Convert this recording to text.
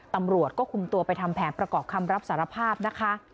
ตำรวจก็คุมตัวไปทำแผนประกอบคำรับสารภาพนะคะ